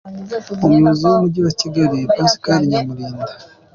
Umuyobozi w’umujyi wa Kigali Pascal Nyamulinda.